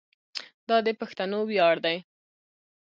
دا د پښتنو ویاړ دی.